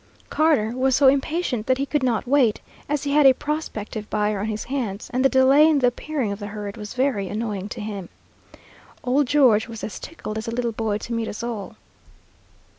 Carter was so impatient that he could not wait, as he had a prospective buyer on his hands, and the delay in the appearing of the herd was very annoying to him. Old George was as tickled as a little boy to meet us all.